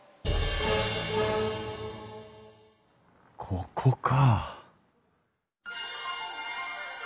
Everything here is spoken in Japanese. ここか。